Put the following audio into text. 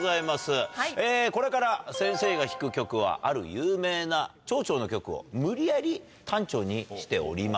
これから先生が弾く曲はある有名な長調の曲を無理やり短調にしております。